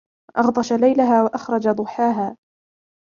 وَأَغْطَشَ لَيْلَهَا وَأَخْرَجَ ضُحَاهَا